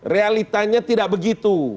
realitanya tidak begitu